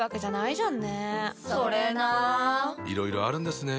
いろいろあるんですね。